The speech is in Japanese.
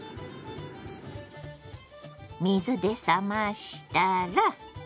水で冷ましたら。